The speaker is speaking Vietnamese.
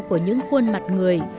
của những khuôn mặt người